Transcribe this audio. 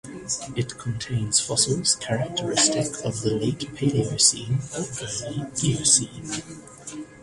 It contains fossils characteristic of the late Paleocene or early Eocene.